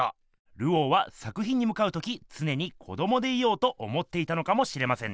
ルオーは作品にむかうときつねに子どもでいようと思っていたのかもしれませんね。